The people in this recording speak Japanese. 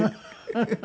フフフフ。